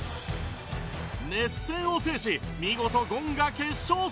熱戦を制し見事ゴンが決勝戦へ